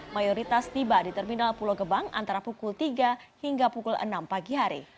mayoritas tiba di terminal pulau gebang antara pukul tiga hingga pukul enam pagi hari